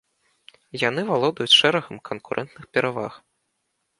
Яны валодаюць шэрагам канкурэнтных пераваг.